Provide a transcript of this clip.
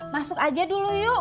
masuk aja dulu yuk